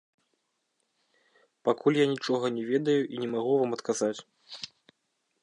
Пакуль я нічога не ведаю і не магу вам адказаць.